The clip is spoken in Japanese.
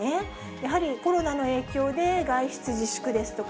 やはりコロナの影響で外出自粛ですとか、